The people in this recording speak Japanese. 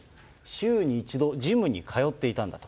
週に１度、ジムに通っていたんだと。